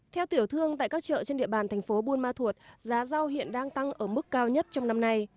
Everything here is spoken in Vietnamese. theo tiểu thương tại các chợ trên địa bàn thành phố buôn ma thuột giá rau hiện đang tăng ở mức cao nhất trong năm nay